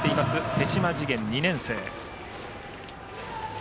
手島慈元は２年生。